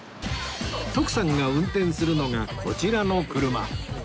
徳さんが運転するのがこちらの車